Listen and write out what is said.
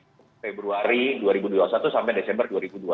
februari dua ribu dua puluh satu sampai desember dua ribu dua puluh